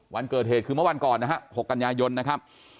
วันเกิดเหตุคือเมื่อวันก่อนนะฮะ๖กันยายนนะครับ